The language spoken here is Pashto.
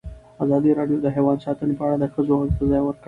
ازادي راډیو د حیوان ساتنه په اړه د ښځو غږ ته ځای ورکړی.